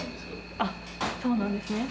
あっ、そうなんですね。